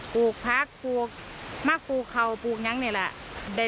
ลูกพักปลูกมะปลูกเข่าปลูกยังนี่แหละ